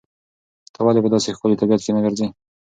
ته ولې په داسې ښکلي طبیعت کې نه ګرځې؟